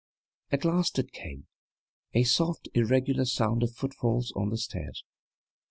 At last it came a soft, irregular sound of footfalls on the stairs!